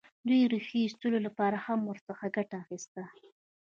دوی د ریښې ایستلو لپاره هم ورڅخه ګټه اخیسته.